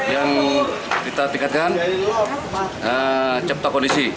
yang kita tingkatkan cipta kondisi